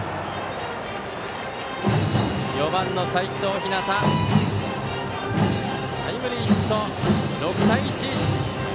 ４番の齋藤陽タイムリーヒット、６対１。